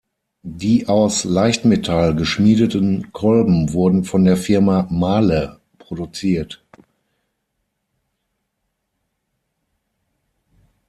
Die aus Leichtmetall geschmiedeten Kolben wurden von der Firma Mahle produziert.